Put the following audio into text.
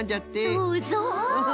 そうそう。